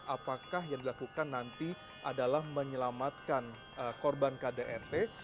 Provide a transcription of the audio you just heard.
apakah yang dilakukan nanti adalah menyelamatkan korban kdrt